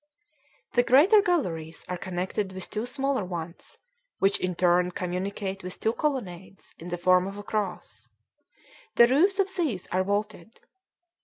The greater galleries are connected with two smaller ones, which in turn communicate with two colonnades in the form of a cross; the roofs of these are vaulted.